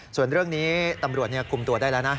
ส่วนเรื่องนี้ตำรวจคุมตัวได้แล้วนะ